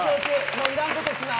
もういらんことすな。